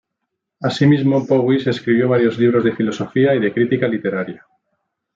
Así mismo, Powys escribió varios libros de filosofía y de crítica literaria.